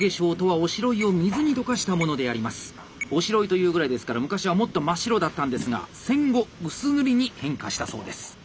おしろいというぐらいですから昔はもっと真っ白だったんですが戦後薄塗りに変化したそうです。